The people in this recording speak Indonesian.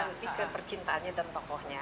lebih ke percintaannya dan tokohnya